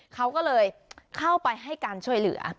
เขาก็เลยเข้าไปให้การช่วยเหลือ